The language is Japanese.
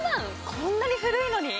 こんなに古いのに？